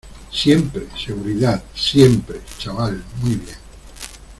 siempre, seguridad , siempre. chaval , muy bien .